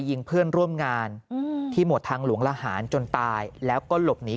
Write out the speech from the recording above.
ยิงเพื่อนร่วมงานที่หมวดทางหลวงละหารจนตายแล้วก็หลบหนี